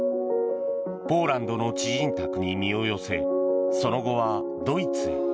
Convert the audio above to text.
ポーランドの知人宅に身を寄せその後はドイツへ。